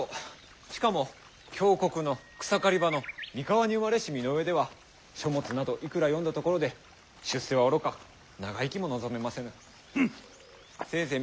しかも強国の草刈り場の三河に生まれし身の上では書物などいくら読んだところで出世はおろか長生きも望めませぬ。